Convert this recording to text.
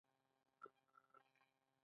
په پانګوالي نظام کې تولیدي وسایل شخصي دي